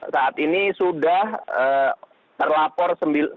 saat ini sudah terlapor satu ratus sembilan puluh dua